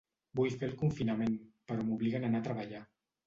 Vull fer el confinament però m’obliguen a anar a treballar.